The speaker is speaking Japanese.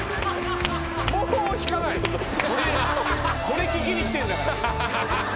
これ聴きに来てんだから。